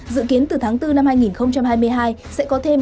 dự kiến từ tháng bốn năm hai nghìn hai mươi hai